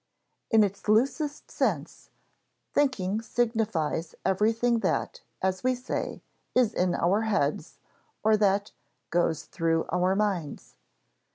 In its loosest sense, thinking signifies everything that, as we say, is "in our heads" or that "goes through our minds."